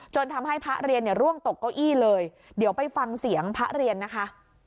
จนทำให้พระเรียนร่วงตกโก้ยเลยเดี๋ยวไปฟังเสียงพระเรียนนะคะ